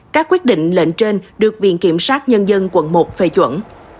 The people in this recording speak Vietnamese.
các quyết định lệnh trên được viện kiểm sát nhân dân quận một phê chuẩn